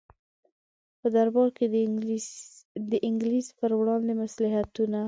په دربار کې د انګلیس پر وړاندې مصلحتونه.